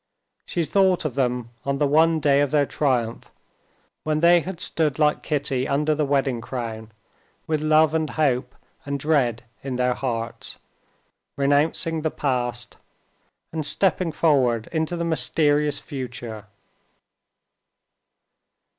She thought of them on the one day of their triumph, when they had stood like Kitty under the wedding crown, with love and hope and dread in their hearts, renouncing the past, and stepping forward into the mysterious future.